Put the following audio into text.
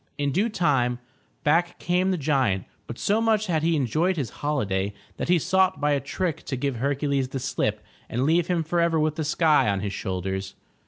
In due time back came the giant, but so much had he enjoyed his holiday, that he sought by a trick to give Hercules the slip and leave him forever with the sky on his shoulders.